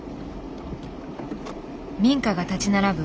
民家が立ち並ぶ